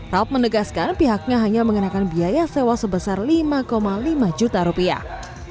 rab menegaskan pihaknya hanya mengenakan biaya sewa sebesar lima lima juta rupiah